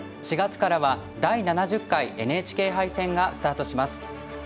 ４月からは第７０回ＮＨＫ杯戦がスタートします。